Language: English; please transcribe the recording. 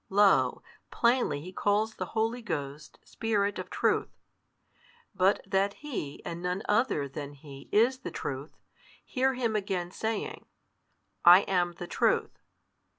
Lo, plainly He calls the Holy Ghost Spirit of Truth. But that He and none other than He is the Truth, hear Him again saying, I am the Truth.